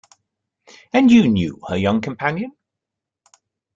And you knew her young companion?